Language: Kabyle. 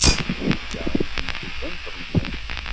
Akka i d lemḥibba n temẓi.